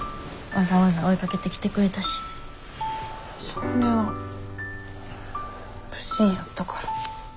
それは不審やったから。